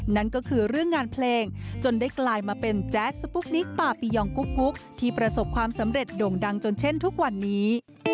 นั่นก็คือเรื่องงานเพลงจนได้กลายมาเป็นแจ๊สสปุ๊กนิกปาปียองกุ๊กที่ประสบความสำเร็จโด่งดังจนเช่นทุกวันนี้